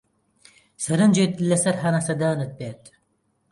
سەرنجت لەسەر هەناسەدانت بێت.